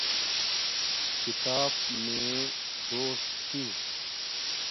کھیتاپ میے دوست چھی